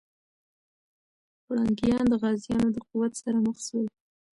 پرنګیان د غازيانو د قوت سره مخ سول.